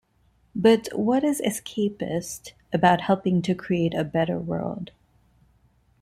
But what is 'escapist' about helping to create a better world?